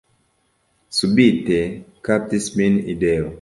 Subite kaptis min ideo.